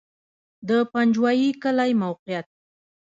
د پنجوایي کلی موقعیت